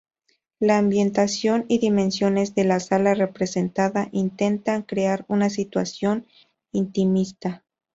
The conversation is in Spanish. La ambientación y dimensiones de la sala representada intentan crear una situación intimista.